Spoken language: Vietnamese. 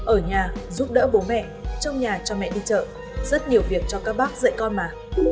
ở nhà giúp đỡ bố mẹ trong nhà cho mẹ đi chợ rất nhiều việc cho các bác dạy con mà